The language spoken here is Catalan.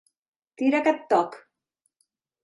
Tira que et toc!